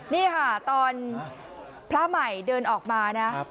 นี่ค่ะตอนพระใหม่เดินออกมานะ